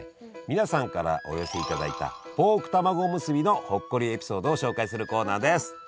皆さんからお寄せいただいたポークたまごおむすびのほっこりエピソードを紹介するコーナーです。